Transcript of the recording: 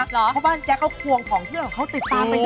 เพราะบ้านแจ๊กเขาควงผองที่เขาติดตามไปด้วย